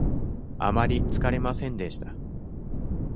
あまりつかれませんでした。